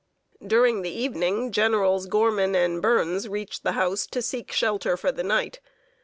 During the evening, Generals Gorman and Burns reached the house to seek shelter for the night.